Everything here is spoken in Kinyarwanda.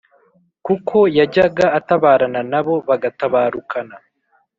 kuko yajyaga atabarana na bo bagatabarukana.